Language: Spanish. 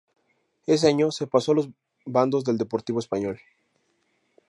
Ese año se pasó a los bandos del Deportivo Español.